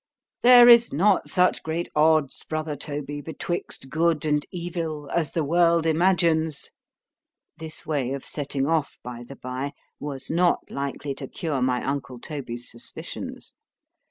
"There is not such great odds, brother Toby, betwixt good and evil, as the world imagines"——(this way of setting off, by the bye, was not likely to cure my uncle Toby's suspicions).